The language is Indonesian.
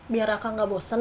biar aku gak bosen